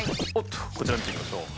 こちら見てみましょう。